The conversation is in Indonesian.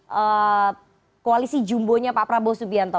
jadi koalisi jumbo nya pak prabowo subianto